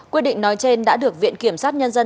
quyết định nói trên đã được viện kiểm sát nhân dân